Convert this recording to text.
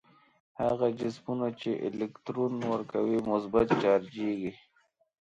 هغه جسمونه چې الکترون ورکوي مثبت چارجیږي.